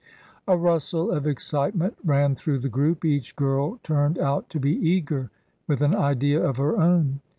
A rustle of excitement ran through the group ; each girl turned out to be eager with an idea of her own.